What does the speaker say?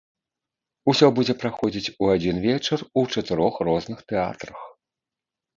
Усё будзе праходзіць у адзін вечар у чатырох розных тэатрах.